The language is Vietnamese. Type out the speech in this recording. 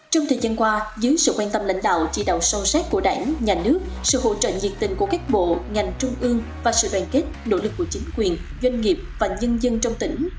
trong thời gian qua dưới sự quan tâm lãnh đạo chỉ đạo sâu sát của đảng nhà nước sự hỗ trợ nhiệt tình của các bộ ngành trung ương và sự đoàn kết nỗ lực của chính quyền doanh nghiệp và nhân dân trong tỉnh